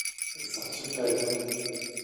"zaczekajmy"